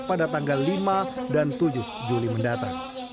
pada tanggal lima dan tujuh juli mendatang